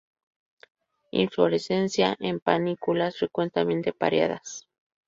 Inflorescencias en panículas, frecuentemente pareadas.